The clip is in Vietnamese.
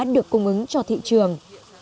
được cung ứng cho thị trường